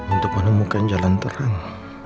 untuk menemukan jalan terang